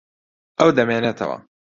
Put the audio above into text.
ئەو دەمێنێتەوە.